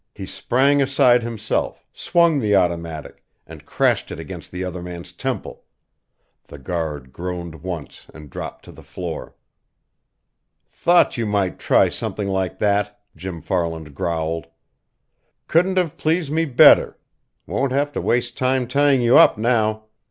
He sprang aside himself, swung the automatic, and crashed it against the other man's temple. The guard groaned once and dropped to the floor. "Thought you might try something like that!" Jim Farland growled. "Couldn't have pleased me better won't have to waste time tying you up now.